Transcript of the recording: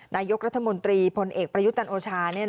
นายกรัฐมนตรีผลเอกปรยุตนโอชา